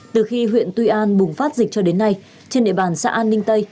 từ khi huyện tuy an bùng phát dịch cho đến nay trên địa bàn xã an ninh tây